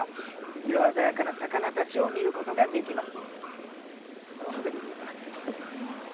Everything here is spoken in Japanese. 色鮮やかな魚たちを見ることができます。